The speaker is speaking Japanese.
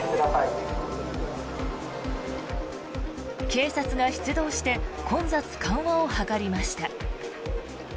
警察が出動して混雑緩和を図りました。